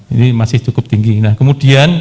ini masih cukup tinggi nah kemudian